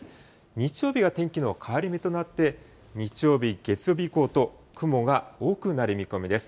日曜日が天気の変わり目となって、日曜日、月曜日以降と、雲が多くなる見込みです。